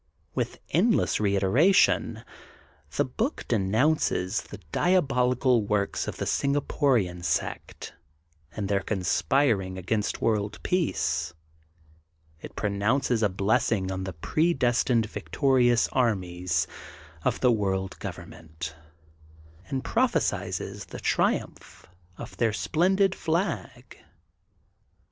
^ With endless reiteration the book de nounces the diabolical works of the Singa porian sect and their conspiring against world peace. It pronounces a blessing on the predestined victorious armies of the World S08' THE GOLDEN BOOK OF SPRINGFIELD Ooveniment and prophecies the triumph of their splendid flag.